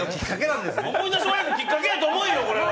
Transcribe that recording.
思い出し笑いのきっかけやと思えよ、これは！